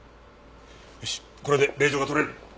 よしこれで令状が取れる。